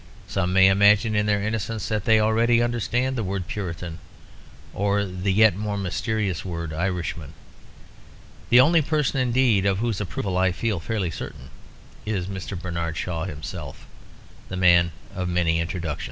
Some may imagine in their innocence that they already understand the word Puritan or the yet more mysterious word Irishman. The only person, indeed, of whose approval I feel fairly certain is Mr. Bernard Shaw himself, the man of many introductions.